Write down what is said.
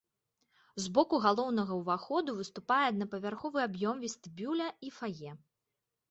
З боку галоўнага ўваходу выступае аднапавярховы аб'ём вестыбюля і фае.